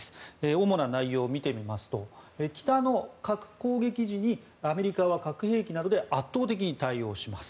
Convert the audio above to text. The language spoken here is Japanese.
主な内容を見てみますと北の核攻撃時にアメリカは核兵器などで圧倒的に対応します。